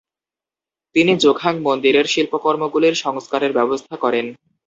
তিনি জোখাং মন্দিরের শিল্পকর্মগুলির সংস্কারের ব্যবস্থা করেন।